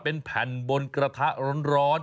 เป็นแผ่นบนกระทะร้อน